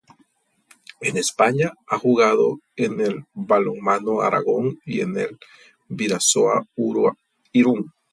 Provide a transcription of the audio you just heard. En España, ha jugado en el Balonmano Aragón y en el Bidasoa Irún.